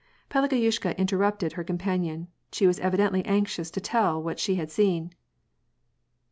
Pelageyushka interrupted her companion ; she was evidently anxious to tell what she had seen.